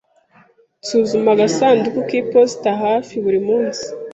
Nsuzuma agasanduku k'iposita hafi buri munsi.